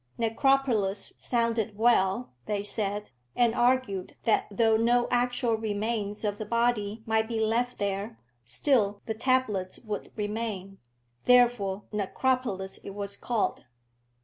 Necropolis sounded well, they said, and argued that though no actual remains of the body might be left there, still the tablets would remain. Therefore Necropolis it was called.